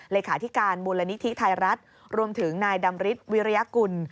เลขาธิการมูลนิธิไทยรัฐรวมถึงนายดำริสวิริยกุล